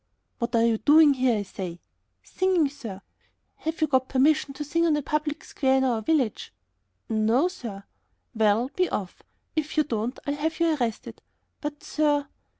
"What are you doing here, I say?" "Singing, sir." "Have you got permission to sing on a public square in our village?" "No, sir." "Well, be off; if you don't I'll have you arrested." "But, sir...."